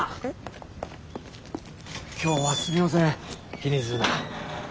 気にするな。